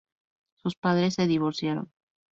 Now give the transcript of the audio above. Sus padres se divorciaron.